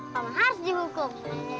paman harus dihukum